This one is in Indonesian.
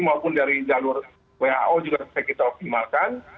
maupun dari jalur who juga bisa kita optimalkan